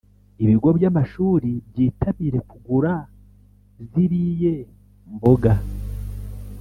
Ibigo by’amashuri byitabire kugura ziriye mboga